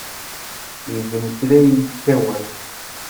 Igen kra ikka wass.